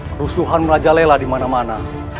kerusuhan merajalela dimana mana